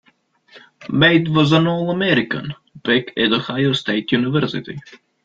Matte was an All-American back at Ohio State University.